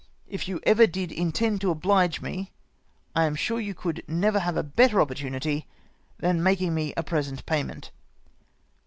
If you ever did intend to oblige me, I am sure you could never have a better opportimity than making me a present payment.